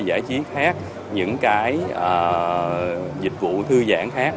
giải trí khác những cái dịch vụ thư giãn khác